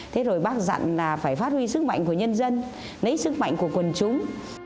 thế rồi bác dặn là phải phát huy sức mạnh của nhân dân lấy sức mạnh của quần chúng